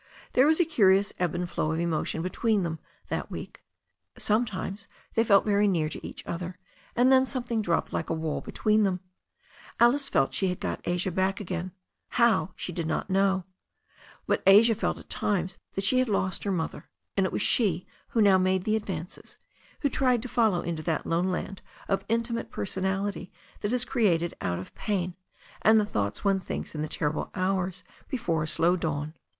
There was a curious ebb and flow of emotion between them that week. Sometimes they felt very near to each other, and then something dropped like a wall between them. Alice felt she 396 THE STORY OF A NEW ZEALAND RIVER had got Asia back again — how, she did not know. But Asia felt at times that she had lost her mother, and it was she, who now made the advances, who tried to follow into that lone land of intimate personality that is created out of pain and the thoughts one thinks in the terrible hours before a slow dawn.